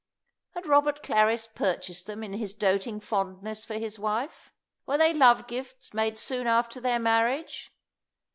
Had Robert Clarris purchased them in his doting fondness for his wife? Were they love gifts made soon after their marriage?